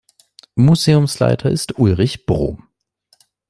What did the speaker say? Museumsleiter ist Ulrich Brohm.